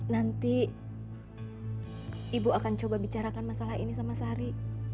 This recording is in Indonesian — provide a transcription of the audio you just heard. nanti ibu akan coba bicarakan masalah ini sama sari